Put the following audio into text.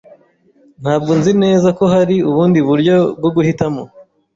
Ntabwo nzi neza ko hari ubundi buryo bwo guhitamo.